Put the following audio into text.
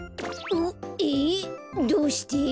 えっどうして？